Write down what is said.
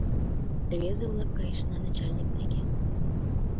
— Рвезе-влак, кайышна начальник деке.